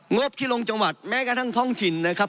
งบที่ลงจังหวัดแม้กระทั่งท้องถิ่นนะครับ